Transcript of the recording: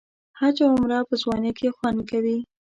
حج او عمره په ځوانۍ کې خوند کوي.